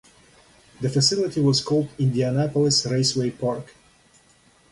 The facility was called Indianapolis Raceway Park.